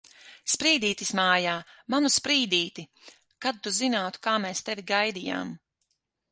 Sprīdītis mājā! Manu Sprīdīti! Kad tu zinātu, kā mēs tevi gaidījām!